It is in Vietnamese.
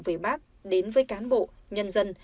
về bắc đến với cán bộ nhân dân